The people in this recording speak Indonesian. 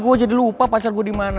gue jadi lupa pacar gue di mana